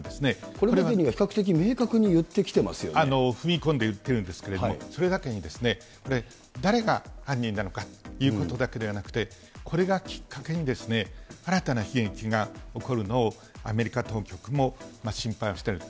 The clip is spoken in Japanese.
これまでには比較的明確に言踏み込んで言ってるんですけども、それだけに誰が犯人なのかということだけではなくて、これがきっかけに、新たな悲劇が起こるのを、アメリカ当局も心配をしてると。